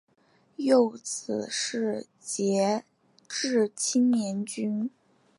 幼子是杰志青年军。